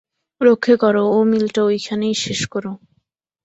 রক্ষে করো, ও মিলটা ঐখানেই শেষ করো।